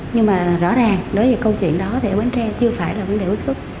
nhưng mà rõ ràng đối với câu chuyện đó thì ở bến tre chưa phải là vấn đề bức xúc